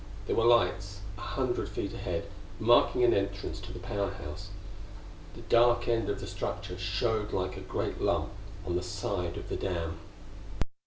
There were lights a hundred feet ahead, marking an entrance to the Power House. The dark end of the structure showed like a great lump on the side of the dam.